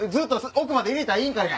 奥まで入れたらいいんかいな？